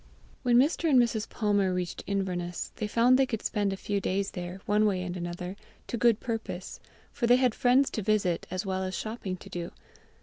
When Mr. and Mrs. Palmer reached Inverness, they found they could spend a few days there, one way and another, to good purpose, for they had friends to visit as well as shopping to do.